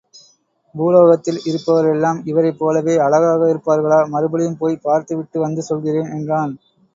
பூலோகத்தில் இருப்பவர் எல்லாம் இவரைப் போலவே அழகாக இருப்பார்களா? மறுபடியும் போய்ப் பார்த்து விட்டு வந்து சொல்கிறேன் என்றான்.